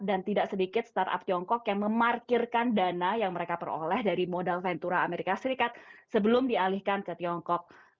dan tidak sedikit startup tiongkok yang memarkirkan dana yang mereka peroleh dari modal ventura amerika serikat sebelum dialihkan ke tiongkok